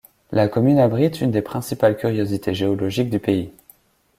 La commune abrite une des principales curiosités géologiques du pays.